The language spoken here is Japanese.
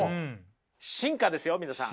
進化ですよ皆さん。